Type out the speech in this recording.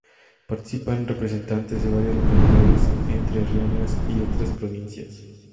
Participan representantes de varias localidades entrerrianas y otras provincias.